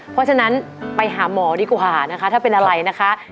เพราะฉะนั้นไปหาหมอดีกว่านะคะถ้าเป็นอะไรนะคะ